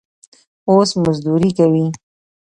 اوس مزدوري کوي.